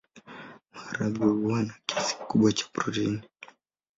Maharagwe huwa na kiasi kikubwa cha protini.